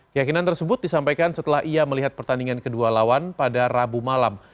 keyakinan tersebut disampaikan setelah ia melihat pertandingan kedua lawan pada rabu malam